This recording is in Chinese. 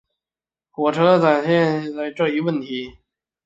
车载火焰喷射系统同样存在这一问题。